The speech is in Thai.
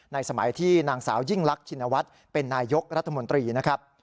สมัยที่นางสาวยิ่งลักชินวัฒน์เป็นนายกรัฐมนตรีนะครับ